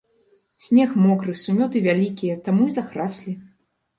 Снег мокры, сумёты вялікія, таму і захраслі.